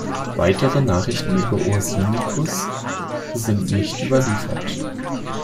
Weitere Nachrichten über Ursicinus sind nicht überliefert.